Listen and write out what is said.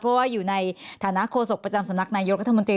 เพราะว่าอยู่ในฐานะโฆษกประจำสำนักนายกรัฐมนตรี